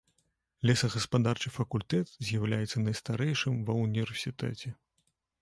Лесагаспадарчы факультэт з'яўляецца найстарэйшым ва ўніверсітэце.